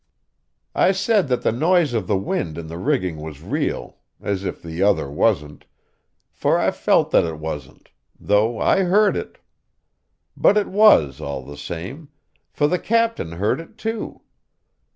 I said that the noise of the wind in the rigging was real, as if the other wasn't, for I felt that it wasn't, though I heard it. But it was, all the same; for the captain heard it, too.